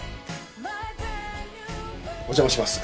お邪魔します。